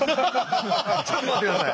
ちょっと待って下さい。